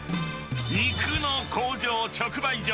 肉の工場直売所。